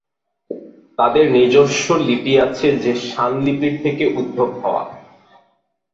তাঁদের নিজস্ব লিপি আছে যে শান লিপির থেকে উদ্ভব হওয়া।